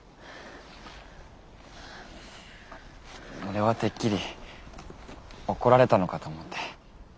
俺はてっきり怒られたのかと思って。